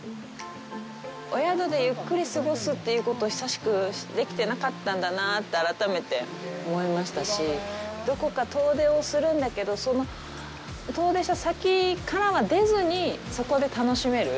お宿でゆっくり過ごすということを久しくできてなかったんだなって改めて思いましたしどこか遠出をするんだけど遠出した先からは出ずにそこで楽しめる。